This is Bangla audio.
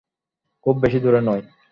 খুব বেশি দূরে নয়।